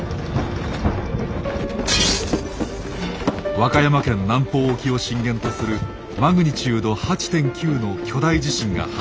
和歌山県南方沖を震源とするＭ８．９の巨大地震が発生。